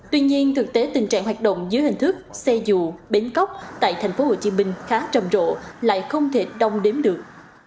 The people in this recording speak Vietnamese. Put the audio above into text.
tuy nhiên thực tế tình trạng hoạt động dưới hình thức xe dụ bến cóc tại tp hcm khá trầm rộ lại không thể đong đếm được